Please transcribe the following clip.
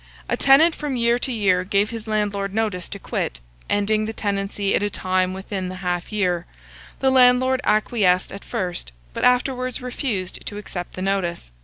A tenant from year to year gave his landlord notice to quit, ending the tenancy at a time within the half year; the landlord acquiesced at first, but afterwards refused to accept the notice.